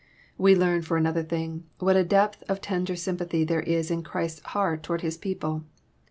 ] We learn, for another thing, what a depth of tender sym* pathy there is in Chrises heart towards His people.